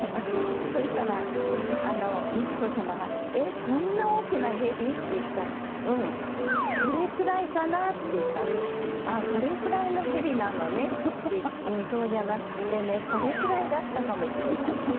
そしたら、美智子さまが、えっ、こんな大きなヘビ？って言ったらうん、これくらいかなって言ったって、ああ、これくらいのヘビなのねって、そうじゃなくてね、これくらいだったかもしれないって。